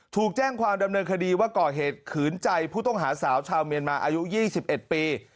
ถูกแจ้งความดำเนินคดีว่าก่อเหตุขืนใจผู้ต้องหาสาวชาวเมียนมาอายุ๒๑ปี